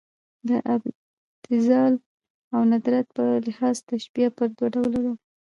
د ابتذال او ندرت په لحاظ تشبیه پر دوه ډوله ده.